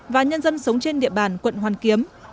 và nhân dân sống trên địa bàn quận hoàn kiếm